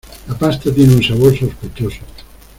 La pasta tiene un sabor sospechoso.